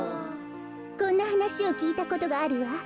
こんなはなしをきいたことがあるわ。